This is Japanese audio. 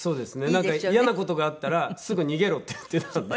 「なんか嫌な事があったらすぐ逃げろ」って言ってたんで。